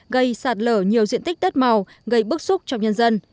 gây sạt lở nhiều diện tích đất màu gây bức xúc trong nhân dân